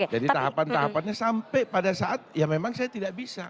jadi tahapan tahapannya sampai pada saat ya memang saya tidak bisa